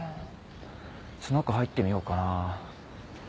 ちょっと中入ってみようかな。